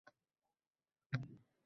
Bir kishi sartaroshxonaga kirdi